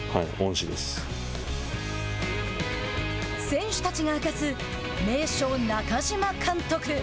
選手たちが明かす名将中嶋監督。